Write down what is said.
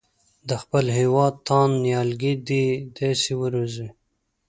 د خپل هېواد تاند نیالګي دې داسې وروزي.